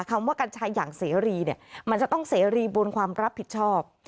คำว่ากัญชัยอย่างเสรีเนี่ยมันจะต้องเสรีบุญความรับผิดชอบ